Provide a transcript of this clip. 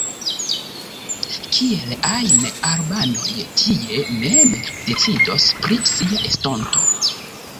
Kiel ajn, albanoj tie mem decidos pri sia estonto.